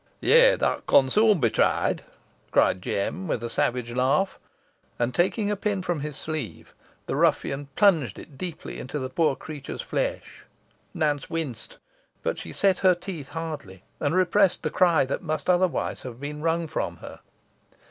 "Yeigh, that con soon be tried," cried Jem, with a savage laugh. And taking a pin from his sleeve, the ruffian plunged it deeply into the poor creature's flesh. Nance winced, but she set her teeth hardly, and repressed the cry that must otherwise have been wrung from her.